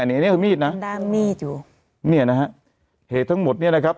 อันนี้นี่คือมีดนะด้ามมีดอยู่เนี่ยนะฮะเหตุทั้งหมดเนี่ยนะครับ